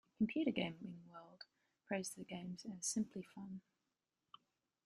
"Computer Gaming World" praised the game as simply fun.